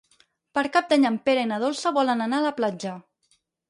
Per Cap d'Any en Pere i na Dolça volen anar a la platja.